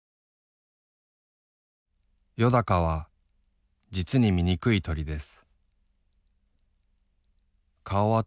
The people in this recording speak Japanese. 「よだかは實にみにくい鳥です」。